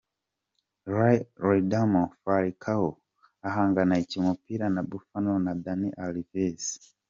Radamel Falcao ahanganiye umupira na Buffon na Dani Alves.